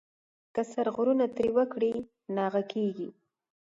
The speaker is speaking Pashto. که سرغړونه ترې وکړې ناغه کېږې .